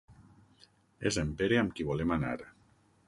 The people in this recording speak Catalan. És en Pere amb qui volem anar.